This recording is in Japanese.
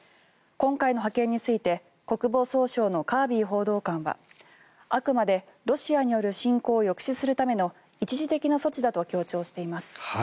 今回の派遣について国防総省のカービー報道官はあくまでロシアによる侵攻を抑止するための一時的な措置だと強調しています。